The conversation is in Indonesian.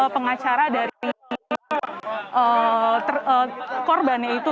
pengacara dari korbannya itu